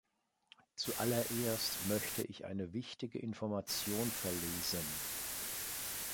Zuallererst möchte ich eine wichtige Information verlesen.